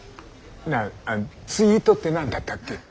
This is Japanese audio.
なあツイートって何だったっけ？